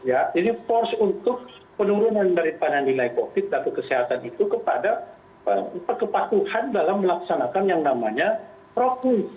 jadi force untuk penurunan dari pandangan nilai covid sembilan belas atau kesehatan itu kepada kepatuhan dalam melaksanakan yang namanya proku